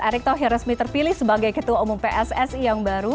erick thohir resmi terpilih sebagai ketua umum pssi yang baru